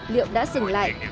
liệu đã dừng lại